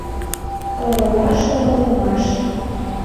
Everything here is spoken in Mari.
Оролаш, оролымаш.